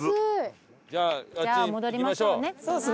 じゃあ戻りましょうね。